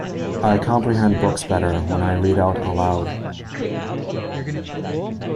I comprehend books better when I read out aloud.